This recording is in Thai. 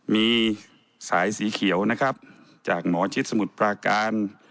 มีสายสีเขียวนะครับจากหมอชิดสมุทรปราการ